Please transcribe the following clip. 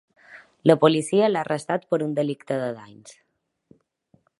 La policia l’ha arrestat per un delicte de danys.